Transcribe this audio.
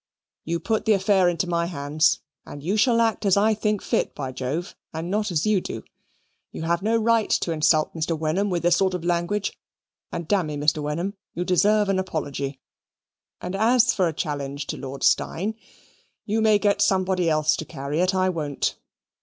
"You put the affair into my hands, and you shall act as I think fit, by Jove, and not as you do. You have no right to insult Mr. Wenham with this sort of language; and dammy, Mr. Wenham, you deserve an apology. And as for a challenge to Lord Steyne, you may get somebody else to carry it, I won't.